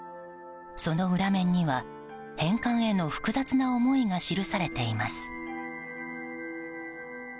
その裏面には、返還への複雑な思いが記されています。